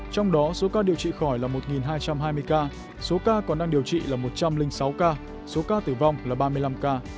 trong đó số ca điều trị khỏi là một hai trăm hai mươi ca số ca còn đang điều trị là một trăm linh sáu ca số ca tử vong là ba mươi năm ca